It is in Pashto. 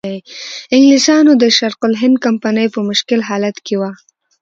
انګلیسانو د شرق الهند کمپنۍ په مشکل حالت کې وه.